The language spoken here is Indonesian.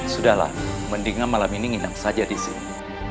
sudahlah mendingan malam ini nginem saja di sini